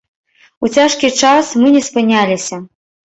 У цяжкі час мы не спыняліся.